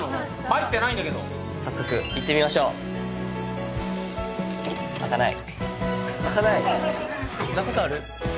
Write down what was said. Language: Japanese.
入ってないんだけど早速いってみましょう開かない！